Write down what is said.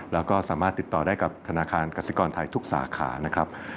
แล้วก็สามารถติดต่อได้กับธนาคารกสิกรไทยทุกสาขานะครับ